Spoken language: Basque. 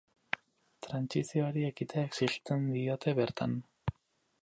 Trantsizioari ekitea exijitzen diote bertan.